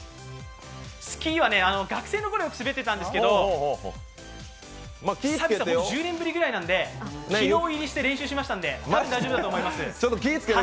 スキーは学生の頃よく滑ってたんですけど１０年ぶりぐらいなんで、昨日入りして練習しましたので多分、大丈夫だと思います。